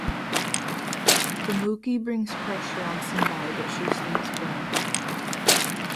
The "mukhi" brings pressure on Sonbai but she stands firm.